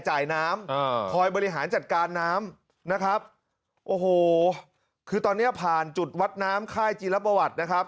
จ่ายน้ำอ่าคอยบริหารจัดการน้ำนะครับโอ้โหคือตอนเนี้ยผ่านจุดวัดน้ำค่ายจีรประวัตินะครับ